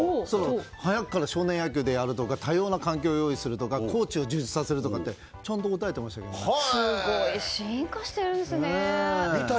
早くから少年野球であるとか多様な環境を用意するとかコーチを充実させるとかそうしたら、いろんな回答が。